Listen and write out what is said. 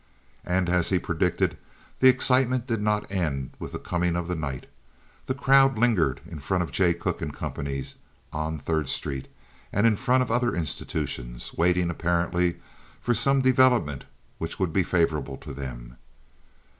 And, as he predicted, the excitement did not end with the coming of the night. The crowd lingered in front of Jay Cooke & Co.'s on Third Street and in front of other institutions, waiting apparently for some development which would be favorable to them.